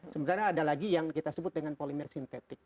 sebenarnya ada lagi yang kita sebut dengan polimer sintetik